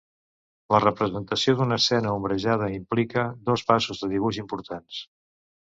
La representació d'una escena ombrejada implica dos passos de dibuix importants.